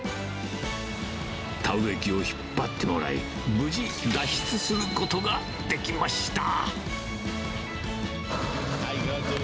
田植え機を引っ張ってもらい、無事脱出することができました。